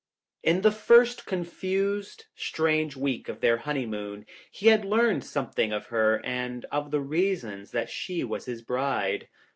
TN the first confused, strange week of their ■*■ honeymoon, he had learned something of her and of the reasons that she was his bride.